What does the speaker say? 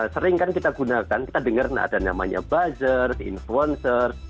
sering kan kita gunakan kita dengar ada namanya buzzer influencer